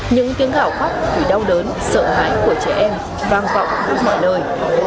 những tiếng khảo khóc vì đau đớn sợ hãi của trẻ em vang vọng mọi nơi